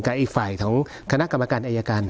อีกฝ่ายของคณะกรรมการอายการ